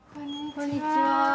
こんにちは。